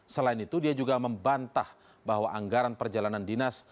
selain itu dia juga membantah bahwa anggaran perjalanan dinas